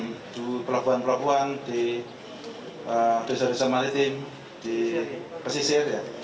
di pelabuhan pelabuhan di desa desa maritim di pesisir